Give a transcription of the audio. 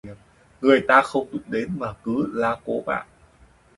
Người ta không dụng đến mà cứ la cố mạng